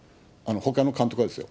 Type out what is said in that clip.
ほかの監督がですよ。